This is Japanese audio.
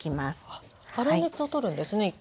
あっ粗熱を取るんですね一回。